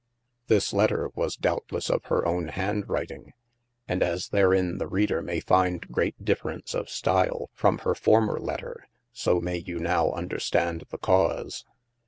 THis letter was doubtles of hir own hande writing : and as therin the Reader may finde great difference of Style, from hir former letter, so may you now understand the cause.